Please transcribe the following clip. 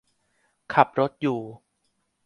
ขับรถอยู่